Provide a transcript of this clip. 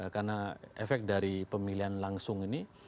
karena efek dari pemilihan langsung ini